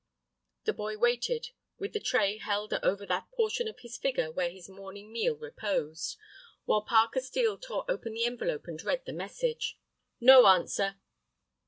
The boy waited with the tray held over that portion of his figure where his morning meal reposed, while Parker Steel tore open the envelope and read the message. "No answer."